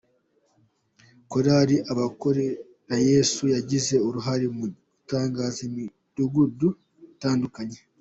Korali Abakorerayesu yagize uruhare mu gutangiza imidugudu itandukanye.